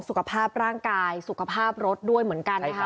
สุขภาพร่างกายสุขภาพรถด้วยเหมือนกันนะคะ